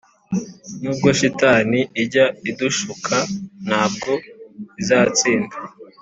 nubwo shitani ijya idushuka, ntabwo izatsinda.